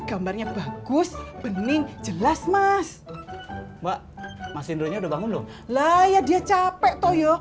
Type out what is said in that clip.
gambarnya bagus pening jelas mas mbak masih dunia udah bangun dong lah ya dia capek toyo